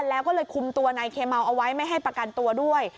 แล้วก็เลยคุมตัวนายเคเมาเอาไว้ไม่ให้ประกันตัวด้วย